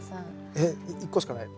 えっ１個しかないよ。